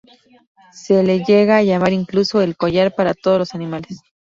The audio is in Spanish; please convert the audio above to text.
Se le llega a llamar incluso el "collar para todos los animales".